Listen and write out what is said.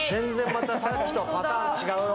さっきと全然パターン違うよ。